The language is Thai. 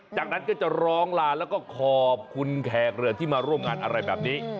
จากนั้นก็จะร้องลาแล้วก็ขอบคุณแขกเรือที่มาร่วมงานอะไรแบบนี้